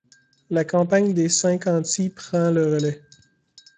La campagne des cinq anti prend le relais.